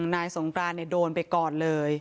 นายสงปรารณ์เนี้ยโดนไปก่อนเลย